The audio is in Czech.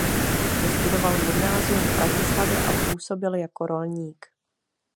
Vystudoval gymnázium v Bratislavě a působil jako rolník.